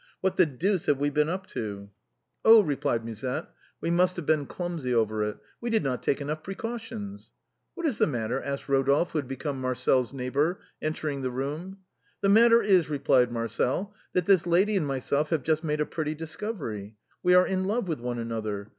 What the deuce have we been up to ?"" Oh 1 " replied Musette, " we must have been clumsy over it ; we did not take enough precautions." " What is the matter ?" asked Eodolphe, who had be come Marcel's neighbor, entering the room. " The matter is," replied Marcel, " that this lady and myself have just made a pretty discovery. We are in love with one another.